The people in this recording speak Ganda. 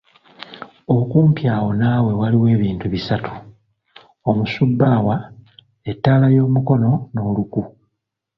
Okumpi awo naawe waliwo ebintu bisatu; omusubbaawa, ettaala y’omukono n’oluku.